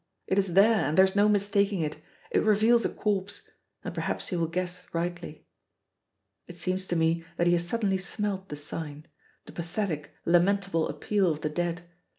It is there, and there is no mistaking it. It reveals a corpse; and perhaps he will guess rightly. It seems to me that he has suddenly smelt the sign the pathetic, lamentable appeal of the dead.